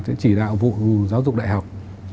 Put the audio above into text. sẽ chỉ đạo vụ giáo dục đại học